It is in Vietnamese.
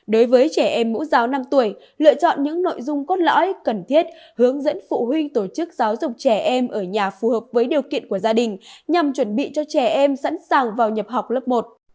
đối với trẻ em mẫu giáo năm tuổi lựa chọn những nội dung cốt lõi cần thiết hướng dẫn phụ huynh tổ chức giáo dục trẻ em ở nhà phù hợp với điều kiện của gia đình nhằm chuẩn bị cho trẻ em sẵn sàng vào nhập học lớp một